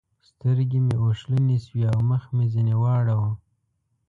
سترګې مې اوښلنې شوې او مخ مې ځنې واړاوو.